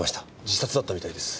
自殺だったみたいです。